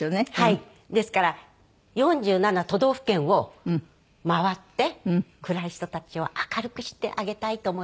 ですから４７都道府県を回って暗い人たちを明るくしてあげたいと思います。